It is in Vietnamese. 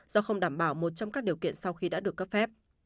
do không đảm bảo một trong các điều kiện sau khi đã được cấp phép